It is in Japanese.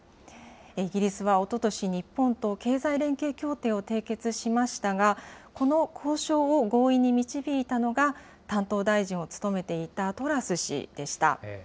イギリスは、おととし、日本と経済連携協定を締結しましたが、この交渉を合意に導いたのが担当大臣を務めていたトラス氏でした。